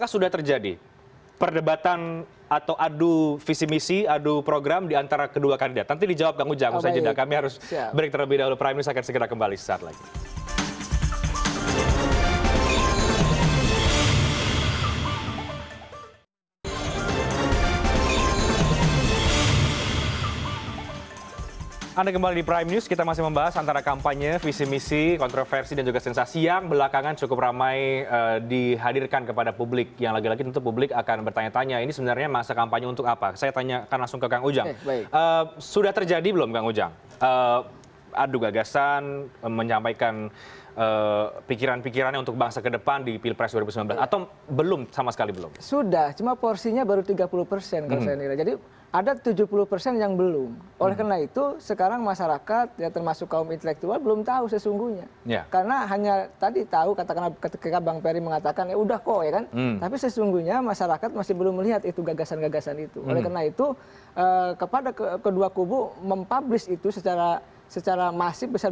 sehingga masyarakat tahu dan jelas